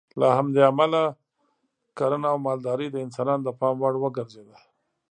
له همدې امله کرنه او مالداري د انسانانو پام وړ وګرځېده.